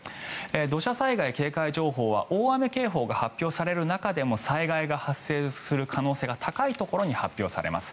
土砂災害警戒情報は大雨警報が発表される中でも災害が発生する可能性が高いところに発表されます。